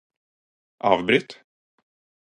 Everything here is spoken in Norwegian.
avbryt